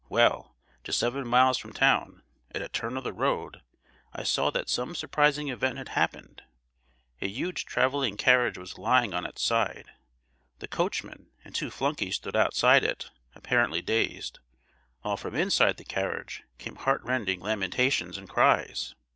Well, just seven miles from town, at a turn of the road, I saw that some surprising event had happened. A huge travelling carriage was lying on its side; the coachman and two flunkeys stood outside it, apparently dazed, while from inside the carriage came heart rending lamentations and cries.